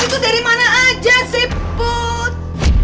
kamu itu dari mana aja sih put